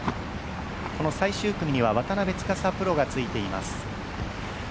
最終組には渡辺司プロがついています。